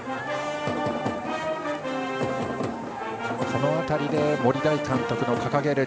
この辺りで森大監督の掲げる